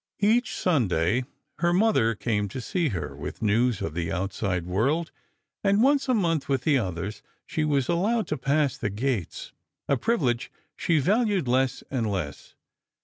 Each Sunday her mother came to see her, with news of the outside world, and once a month, with the others, she was allowed to pass the gates—a privilege she valued less and less.